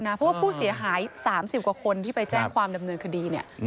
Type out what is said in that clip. เพราะว่าผู้เสียหาย๓๐กว่าคนที่ไปแจ้งความดำเนินคดีเนี่ย